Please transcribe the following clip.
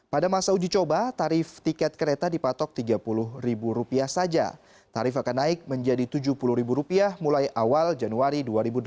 pada masa uji coba tarif tiket kereta dipatok rp tiga puluh saja tarif akan naik menjadi rp tujuh puluh mulai awal januari dua ribu delapan belas